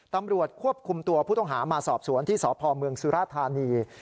ตำรวจควบคุมตัวผู้ต้องหามาสอบสวนที่สพเมืองสุราธานี